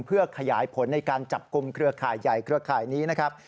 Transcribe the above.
เพื่อขยายผลในการจับกลุ่มเครือข่ายใหญ่เครือข่ายนี้นะครับ